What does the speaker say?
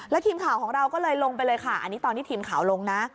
ทีมข่าวของเราก็เลยลงไปเลยค่ะอันนี้ตอนที่ทีมข่าวลงนะ